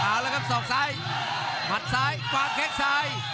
เอาละครับศอกซ้ายหมัดซ้ายกวางแข้งซ้าย